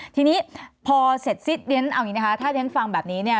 ทีนี้พอเสร็จสิ้นเรียนเอาอย่างนี้นะคะถ้าเรียนฟังแบบนี้เนี่ย